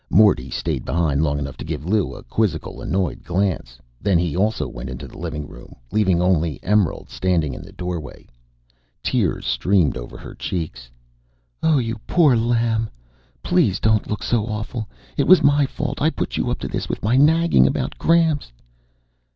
Morty stayed behind long enough to give Lou a quizzical, annoyed glance. Then he also went into the living room, leaving only Emerald standing in the doorway. Tears streamed over her cheeks. "Oh, you poor lamb please don't look so awful! It was my fault. I put you up to this with my nagging about Gramps."